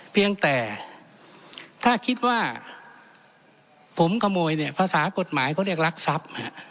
เพียงแต่ถ้าคิดว่าผมขโมยเนี่ยภาษากฎหมายเขาเรียกรักทรัพย์